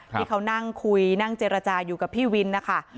ที่เขานั่งคุยนั่งเจรจาอยู่กับพี่วินนะคะ